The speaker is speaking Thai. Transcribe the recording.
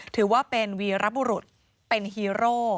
ถือว่าเป็นวีรบุรุษเป็นฮีโร่